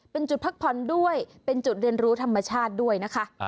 เป็นจุดพักผ่อนด้วยเป็นจุดเรียนรู้ธรรมชาติด้วยนะคะ